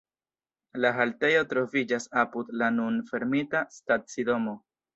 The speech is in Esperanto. La haltejo troviĝas apud la nun fermita stacidomo.